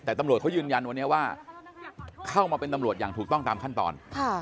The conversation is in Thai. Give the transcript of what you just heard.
แต่ตำรวจเขายืนยันวันนี้ว่าเข้ามาเป็นตำรวจอย่างถูกต้องตามขั้นตอน